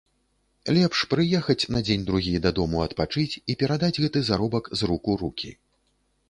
Лепш прыехаць на дзень-другі дадому адпачыць і перадаць гэты заробак з рук у рукі.